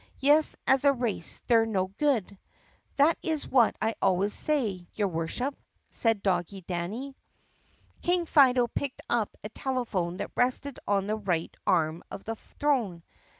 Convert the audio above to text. Yes, as a race they 're no good." "That is what I always say, your Worship," said Doggie Danny. King Fido picked up a telephone that rested on the right arm of the throne.